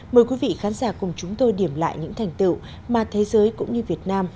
mời quý vị khán giả cùng chúng tôi điểm lại những thành tựu mà thế giới cũng như việt nam